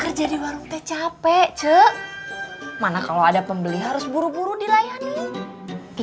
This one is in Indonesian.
kerja di warung teh capek cek mana kalau ada pembeli harus buru buru dilayani